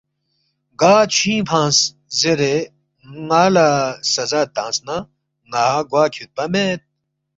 گا چھُوئِنگ فنگس زیرے ن٘ا لہ سزا تنگس نہ، ن٘ا گوا کھیُودپا مید